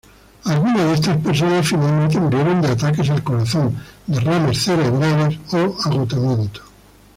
Algunas de estas personas finalmente murieron de ataques al corazón, derrames cerebrales o agotamiento.